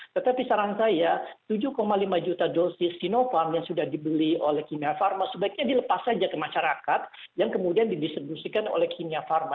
tetapi saran saya tujuh lima juta dosis sinovac yang sudah dibeli oleh kimia pharma sebaiknya dilepas saja ke masyarakat yang kemudian didistribusikan oleh kimia pharma